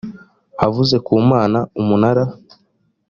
avuze ku mana umunara